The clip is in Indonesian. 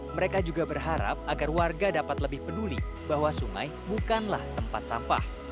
mereka juga berharap agar warga dapat lebih peduli bahwa sungai bukanlah tempat sampah